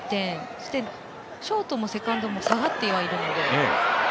そしてショートもセカンドも下がってはいるので。